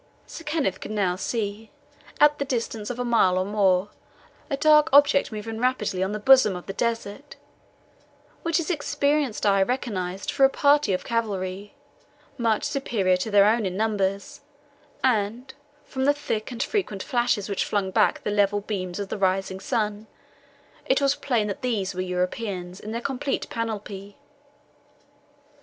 Sir Kenneth could now see, at the distance of a mile or more, a dark object moving rapidly on the bosom of the desert, which his experienced eye recognized for a party of cavalry, much superior to their own in numbers, and, from the thick and frequent flashes which flung back the level beams of the rising sun, it was plain that these were Europeans in their complete panoply.